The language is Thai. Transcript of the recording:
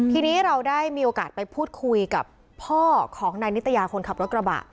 ทีนี้เราได้มีโอกาสไปพูดคุยกับพ่อของนายนิตยาคนขับรถกระบะ